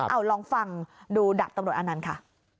เอ้าลองฟังดูดับตรงรถอนันค่ะ